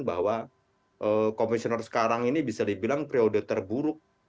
bahwa komisioner sekarang ini bisa dibilang periode terburuk